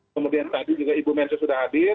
kemudian tadi juga ibu merso sudah hadir